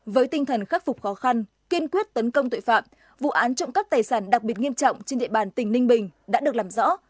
với tinh thần khắc phục khó khăn kiên quyết tấn công tội phạm vụ án trộm cắp tài sản đặc biệt nghiêm trọng trên địa bàn tỉnh ninh bình đã được làm rõ